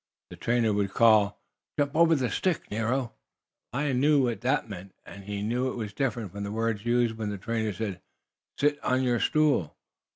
The trainer would call: "Jump over the stick, Nero!" The lion knew what that meant, and he knew it was different from the words used when the trainer said: "Sit on your stool!"